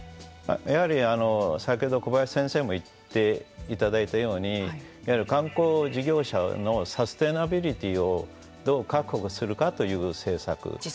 やはり先ほど小林先生に言っていただいたように観光事業者のサステナビリティをどう確保するかという政策。